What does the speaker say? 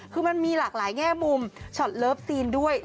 คือมันมีหลากหลายแง่มุมช็อตเลิฟซีนด้วย